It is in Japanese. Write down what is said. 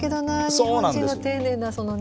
日本人の丁寧なそのね。